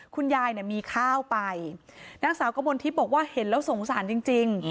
คุณยายเนี่ยมีข้าวไปนางสาวกมลทิพย์บอกว่าเห็นแล้วสงสารจริง